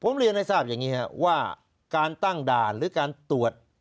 ผมเรียนให้ทราบอย่างนี้ครับว่าการตั้งด่านหรือการตรวจ